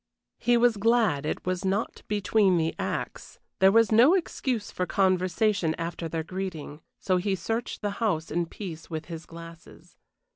He was glad it was not between the acts there was no excuse for conversation after their greeting, so he searched the house in peace with his glasses.